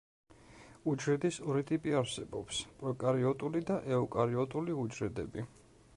უჯრედის ორი ტიპი არსებობს: პროკარიოტული და ეუკარიოტული უჯრედები.